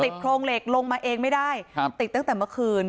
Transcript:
โครงเหล็กลงมาเองไม่ได้ครับติดตั้งแต่เมื่อคืน